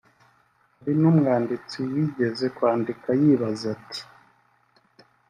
Hari n’umwanditsi wigeze kwandika yibaza ati